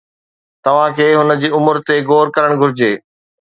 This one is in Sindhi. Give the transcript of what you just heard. توهان کي هن جي عمر تي غور ڪرڻ گهرجي